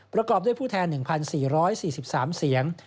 ประกอบด้วยผู้แทน๑๔๔๓เสียง